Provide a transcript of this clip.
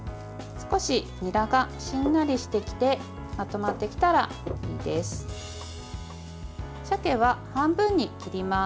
少しにらがしんなりしてきてまとまってきたら、いいです。